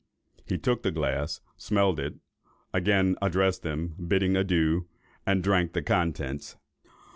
He then took the glass, smelled at it, again addressed them, bidding adieu, and drank the contents.